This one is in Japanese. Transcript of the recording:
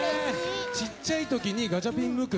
ちっちゃいときにガチャピン・ムック